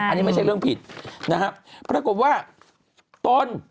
อันนี้ไม่ใช่เรื่องผิดนะครับปรากฏว่าตน